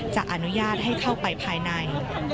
จะอนุญาตให้เข้าไปภายใน